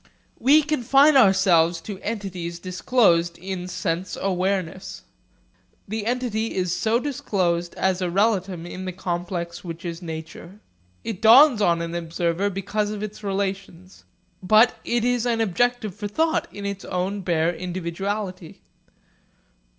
We confine ourselves to entities disclosed in sense awareness. The entity is so disclosed as a relatum in the complex which is nature. It dawns on an observer because of its relations; but it is an objective for thought in its own bare individuality.